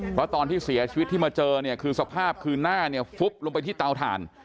เพราะตอนที่เสียชีวิตที่มาเจอเนี่ยคือสภาพคือหน้าเนี่ยฟุบลงไปที่เตาถ่าน